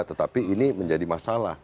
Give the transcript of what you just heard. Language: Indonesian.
tetapi ini menjadi masalah